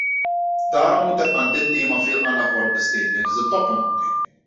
Daarom moet er aan dit thema veel aandacht worden besteed tijdens de topontmoeting.